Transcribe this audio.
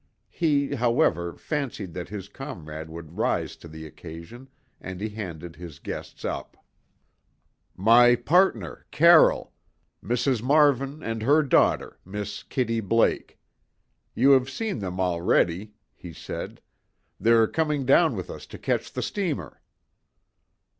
He, however, fancied that his comrade would rise to the occasion and he handed his guests up. "My partner, Carroll. Mrs. Marvin and her daughter; Miss Kitty Blake. You have seen them already," he said. "They're coming down with us to catch the steamer."